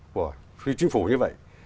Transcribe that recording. của huy chính phủ như vậy